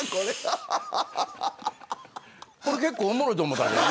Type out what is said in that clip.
これ、結構おもろいと思ったんだけど。